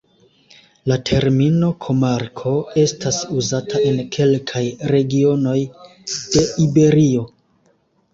La termino komarko estas uzata en kelkaj regionoj de Iberio.